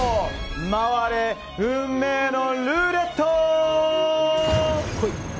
回れ、運命のルーレット！